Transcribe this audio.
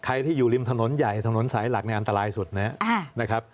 ใครที่อยู่ริมถนนใหญ่ถนนสายหลักเนี่ยอันตรายสุดนะครับ